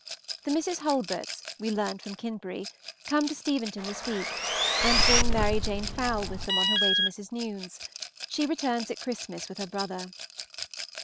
The Mrs. Hulberts, we learn from Kintbury, come to Steventon this week, and bring Mary Jane Fowle with them on her way to Mrs. Nune's; she returns at Christmas with her brother.